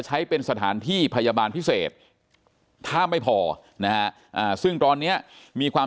ใช้เป็นสถานที่พยาบาลพิเศษถ้าไม่พอนะฮะซึ่งตอนนี้มีความ